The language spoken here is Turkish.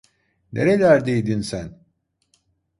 Nerelerdeydin sen?